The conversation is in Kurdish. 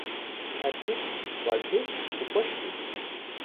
Her tişt balkêş û xweş bû.